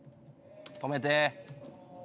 止めて。